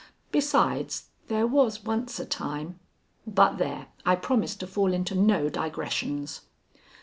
Besides, there was once a time But there, I promised to fall into no digressions.